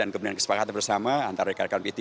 dan kemudian kesepakatan bersama antara rekan rekan p tiga